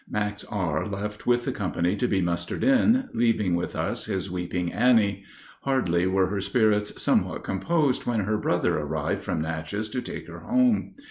Max R. left with the company to be mustered in, leaving with us his weeping Annie. Hardly were her spirits somewhat composed when her brother arrived from Natchez to take her home.